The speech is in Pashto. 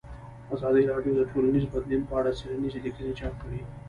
ازادي راډیو د ټولنیز بدلون په اړه څېړنیزې لیکنې چاپ کړي.